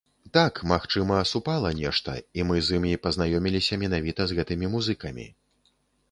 Так, магчыма, супала нешта, і мы з імі пазнаёміліся, менавіта з гэтымі музыкамі.